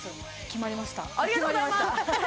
決まりましたありがとうございます！